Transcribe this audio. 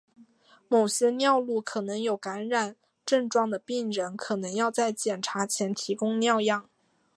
某些尿路可能有感染症状的病人可能要在检查前提供尿样。